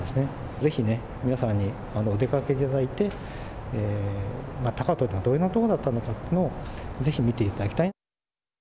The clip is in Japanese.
ぜひ皆さんにお出かけいただいて高遠というのはどういう所だったのかというのをぜひ見ていただきたい。